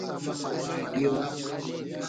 ریڈیو